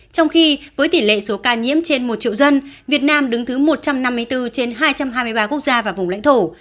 trong khi với tỷ lệ số ca nhiễm trên một triệu dân việt nam đứng thứ một trăm năm mươi bốn trên hai trăm hai mươi ba quốc gia và vùng lãnh thổ